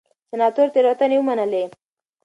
سناتور تېروتنې ومنلې.